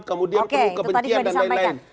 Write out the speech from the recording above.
kemudian perlu kebencian dan lain lain